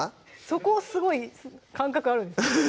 そこすごい感覚あるんですね